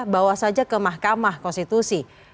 bawa saja ke mahkamah konstitusi